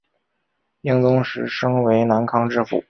英宗时升为南康知府。